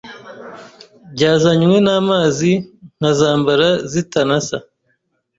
byazanywe n’amazi nkazambara zitanasa.